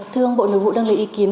thưa ông bộ nữ vụ đăng lời ý kiến